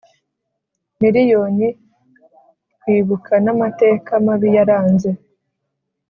Miliyoni, twibuka n’amateka mabi yaranze